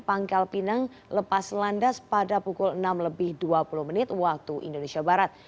pangkal pinang lepas landas pada pukul enam lebih dua puluh menit waktu indonesia barat